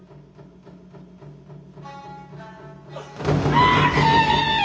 あれ。